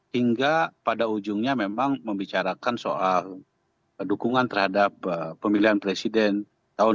hingga pada ujungnya memang membicarakan soal dukungan terhadap pemilihan presiden tahun dua ribu dua puluh